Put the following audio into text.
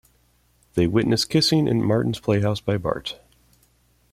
They are witnessed kissing in Martin's playhouse by Bart.